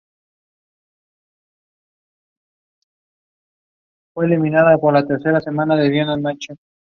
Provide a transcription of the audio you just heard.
He eventually transferred to Furman University in order to be closer to his coaches.